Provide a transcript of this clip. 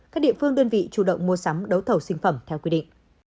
các địa phương đơn vị chủ động mua sắm đấu thầu sinh phẩm theo quy định